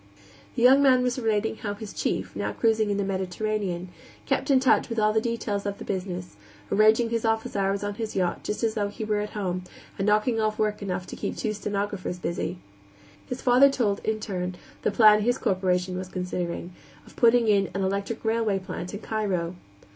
The young man was relating how his chief, now cruising in the Mediterranean, kept in touch with all the details of the business, arranging his office hours on his yacht just as though he were at home, and "knocking off work enough to keep two stenographers busy." His father told, in turn, the plan his corporation was considering, of putting in an electric railway plant in Cairo.